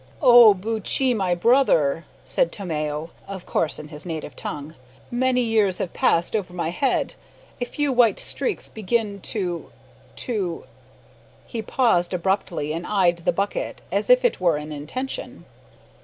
"Oh! Buttchee, my brother," said Tomeo (of course in his native tongue), "many years have passed over my head, a few white streaks begin to to " He paused abruptly, and eyed the bucket as if with an intention.